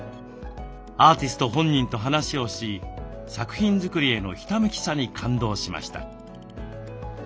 アーティスト本人と話をし作品づくりへのひたむきさに感動しました。